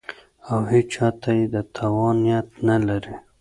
او هېچا ته د تاوان نیت نه لري